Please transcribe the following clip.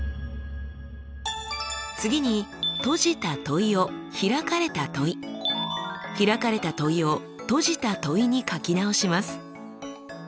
次に閉じた問いを開かれた問い開かれた問いを閉じた問いに書き直します。